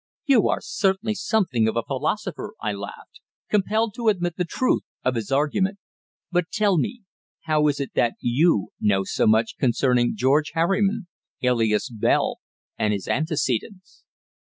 "You are certainly something of a philosopher," I laughed, compelled to admit the truth of his argument; "but tell me how is it that you know so much concerning George Harriman, alias Bell, and his antecedents?"